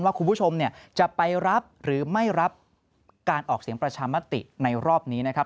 คุณผู้ชมจะไปรับหรือไม่รับการออกเสียงประชามติในรอบนี้นะครับ